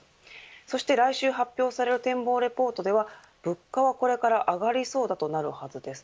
そして来週発表される展望レポートでは物価はこれから上がりそうだとなるはずです。